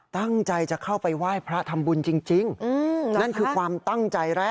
ตั้งใจจะเข้าไปไหว้พระธรรมบุญจริง